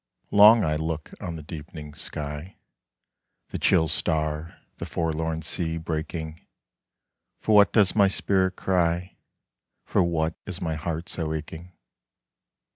Long I look on the deepening sky, The chill star, the forlorn sea breaking; For what does my spirit cry? For what is my heart so aching?